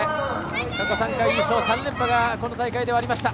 過去３回優勝、３連覇がこの大会ではありました。